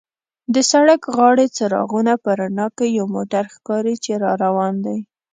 د سړک غاړې څراغونو په رڼا کې یو موټر ښکاري چې را روان دی.